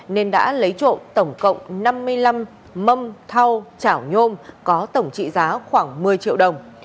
nên đã lấy trộm tổng cộng năm mươi năm mâm thao chảo nhôm có tổng trị giá khoảng một mươi triệu đồng